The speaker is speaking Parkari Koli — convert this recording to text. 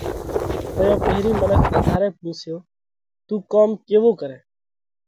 تئيون پيرهين منک وڌارئہ پُونسيو: تُون ڪوم ڪيوو ڪرئه؟